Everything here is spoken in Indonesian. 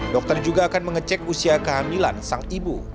dokter juga akan mengecek usia kehamilan sang ibu